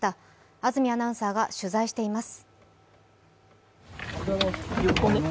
安住アナウンサーが取材しています。